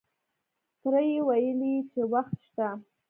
تره یې ویلې چې وخت شته.